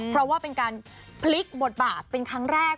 เพราะว่าเป็นการพลิกบทบาทเป็นครั้งแรก